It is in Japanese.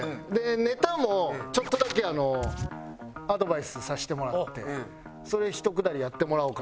ネタもちょっとだけアドバイスさせてもらってそれひとくだりやってもらおうかなと思ってます。